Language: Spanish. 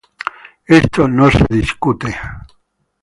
Esto no se discute.